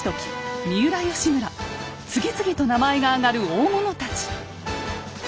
次々と名前が挙がる大物たち。